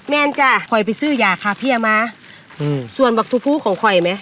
เซ็นจ๊ะคอยไปซื้อยาขาเพียมาอืมส่วนบัตถุภูของคอยไหม